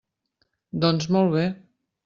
Doncs, molt bé.